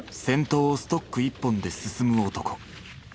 先頭をストック１本で進む男。